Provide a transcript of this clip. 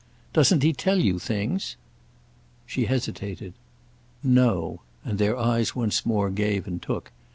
"Doesn't he tell you things?" She hesitated. "No"—and their eyes once more gave and took.